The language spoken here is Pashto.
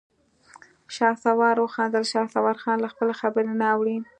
شهسوار وخندل: شهسوارخان له خپلې خبرې نه اوړي.